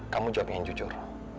kamu juga ingin jujur